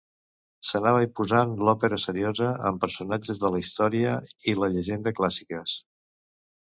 S'anava imposant l'òpera seriosa amb personatges de la història i la llegenda clàssiques.